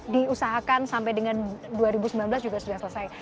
diusahakan sampai dengan dua ribu sembilan belas juga sudah selesai